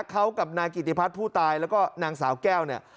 เขากับนายกิติพัฒน์ผู้ตายแล้วก็นางสาวแก้วเนี่ย